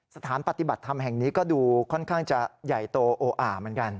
สถานปฏิบัติธรรมแห่งนี้ก็ดูค่อนข้างจะใหญ่โตโออ่าเหมือนกัน